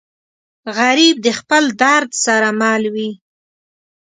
غریب د خپل درد سره مل وي